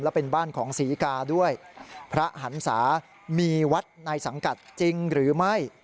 และเป็นบ้านของศรีกาด้วยพระหันศามีวัดในสังกัดจริงหรือไม่